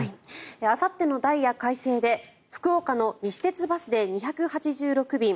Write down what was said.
あさってのダイヤ改正で福岡の西鉄バスで２８６便